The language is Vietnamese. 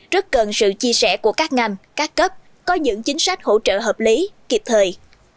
rất cần sự chia sẻ của các ngành các cấp có những chính sách hỗ trợ hợp lý kịp thời